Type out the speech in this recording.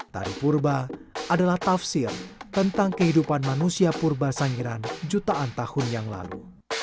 tari purba adalah tafsir tentang kehidupan manusia purba sangiran jutaan tahun yang lalu